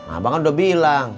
abang kan udah bilang